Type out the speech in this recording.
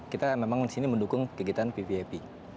kita memang sini mendukung kegiatan pvp